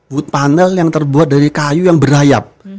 but panel yang terbuat dari kayu yang berayap